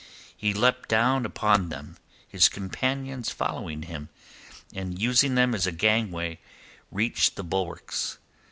He leapt down upon them, his companions following him, and using them as a gangway, reached the bulwarks.